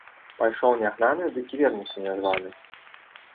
Пайшоў не гнаны, дык і вернецца не званы.